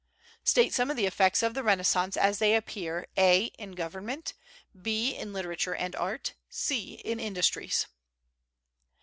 State some of the effects of the Renaissance as they appear (a) in government; (b) in literature and art; (c) in industries.